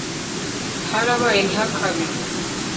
Harabaye ntihakabe